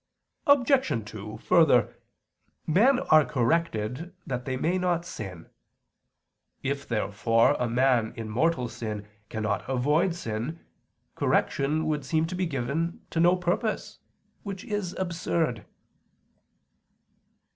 Obj. 2: Further, men are corrected that they may not sin. If therefore a man in mortal sin cannot avoid sin, correction would seem to be given to no purpose; which is absurd.